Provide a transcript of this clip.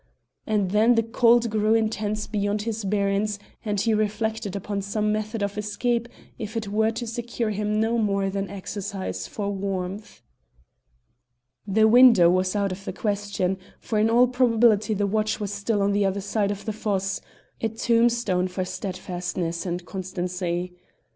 And then the cold grew intense beyond his bearance, and he reflected upon some method of escape if it were to secure him no more than exercise for warmth. The window was out of the question, for in all probability the watch was still on the other side of the fosse a tombstone for steadfastness and constancy.